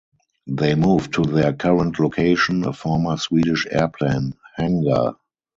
They moved to their current location, a former Swedish airplane hangar.